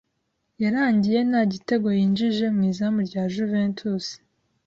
yarangiye nta gitego yinjije mu izamu rya Juventus